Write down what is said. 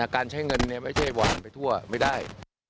การใช้เงินไม่ใช่หวานไปทั่วไม่ได้